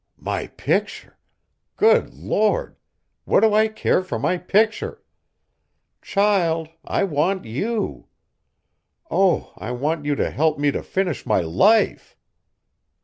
"My picture? Good Lord! What do I care for my picture? Child, I want you. Oh! I want you to help me to finish my life!"